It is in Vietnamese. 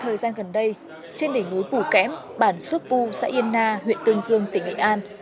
thời gian gần đây trên đỉnh núi bù kém bản sopu sã yên na huyện tương dương tỉnh nghệ an